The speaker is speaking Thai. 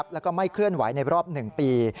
แล้วก็ไม่เคลื่อนไหวในรอบ๑ปี